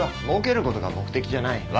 もうけることが目的じゃない。